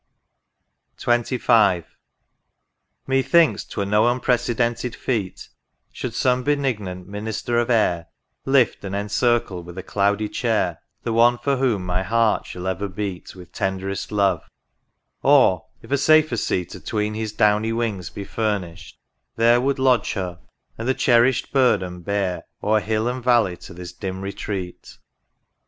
THE RIVER DUDDON. / 27 XXV. Methinks 'twere no unprecedented feat Should some benignant Minister of air Lift, and encircle with a cloudy chair, The One for whom my heart shall ever beat V^ith tenderest love ;— or, if a safer seat Atween his downy wings be furnished, there Would lodge her, and the cherish'd burden bear O'er hill and valley to this dim retreat